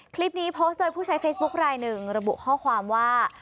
โพสต์โดยผู้ใช้เฟซบุ๊คลายหนึ่งระบุข้อความว่า